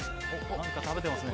何か食べてますね。